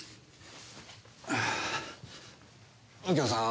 右京さん